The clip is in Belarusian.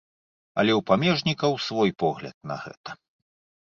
Але ў памежнікаў свой погляд на гэта.